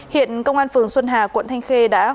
hiện công an phường xuân hà quận thanh khê đã hoàn tất thủ chức